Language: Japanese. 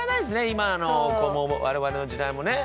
今の子も我々の時代もね。